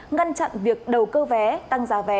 ngăn chặn việc đầu cơ vé tăng giá vé